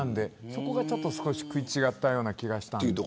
そこが食い違ったような気がします。